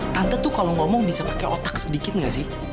tante tuh kalau ngomong bisa pakai otak sedikit gak sih